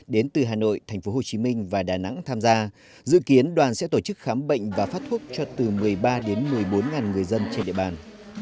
đến từ hà nội tp hcm và đà nẵng tham gia dự kiến đoàn sẽ tổ chức khám bệnh và phát thuốc cho từ một mươi ba đến một mươi bốn người dân trên địa bàn